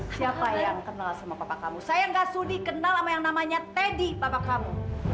siapa yang kenal sama papa kamu saya gak sudi kenal sama yang namanya teddy bapak kamu